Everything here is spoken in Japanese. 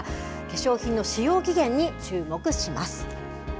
化粧品の使用期限に注目します。